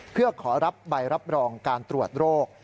เพื่อขอรับใบรับรองการตรวจโรค